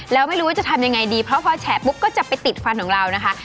แล้วไม่รู้ว่าจะทำยังไงดีเพราะพอแฉะปุ๊บก็จะไปติดฟันของเรานะคะ